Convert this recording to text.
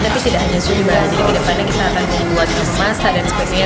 tapi tidak hanya sudir jadi kedepannya kita akan membuat masa dan sebagainya